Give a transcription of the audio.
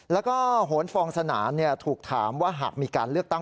แล้วก็โหนฟองสนานถูกถามว่าหากมีการเลือกตั้ง